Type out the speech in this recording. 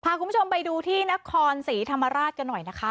คุณผู้ชมไปดูที่นครศรีธรรมราชกันหน่อยนะคะ